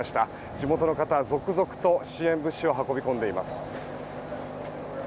地元の方、続々と支援物資を運び込んでいます。